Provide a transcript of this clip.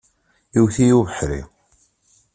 Iwet-iyi ubeḥri.